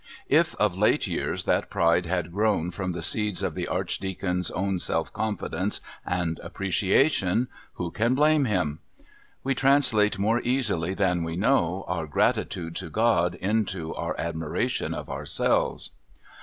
If of late years that pride had grown from the seeds of the Archdeacon's own self confidence and appreciation, who can blame him? We translate more easily than we know our gratitude to God into our admiration of ourselves.